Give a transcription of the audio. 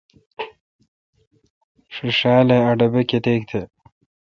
ݭیݭال اے°ا ڈبے°کتیک تہ۔